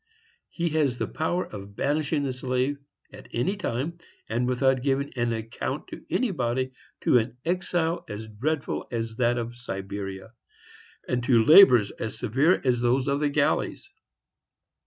He has the power of banishing the slave, at any time, and without giving an account to anybody, to an exile as dreadful as that of Siberia, and to labors as severe as those of the galleys.